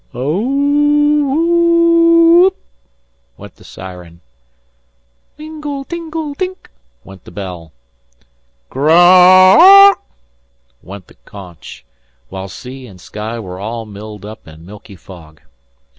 "Aooo whoo whupp!" went the siren. "Wingle tingle tink," went the bell. "Graaa ouch!" went the conch, while sea and sky were all mired up in milky fog.